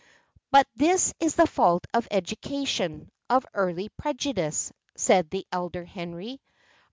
"But this is the fault of education, of early prejudice," said the elder Henry.